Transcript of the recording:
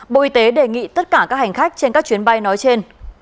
bộ y tế đề nghị tất cả các hành khách trên các chuyến bay nói trên